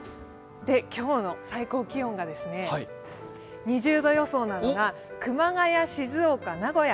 今日の最高気温が２０度予想なのが熊谷、静岡、名古屋。